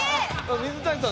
水谷さん